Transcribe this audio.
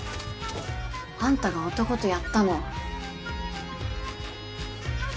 あんたが男とやったの。